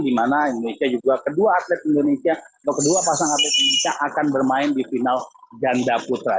di mana indonesia juga kedua atlet indonesia atau kedua pasangan atlet indonesia akan bermain di final ganda putra